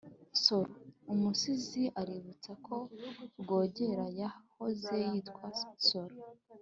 nsoro: umusizi aributsa ko rwogera yahoze yitwa nsoro